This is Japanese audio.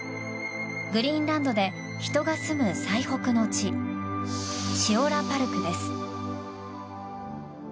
グリーンランドで人が住む最北の地シオラパルクです。